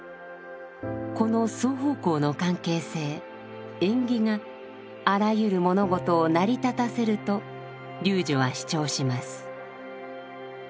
この双方向の関係性縁起があらゆる物事を成り立たせると龍樹は主張します。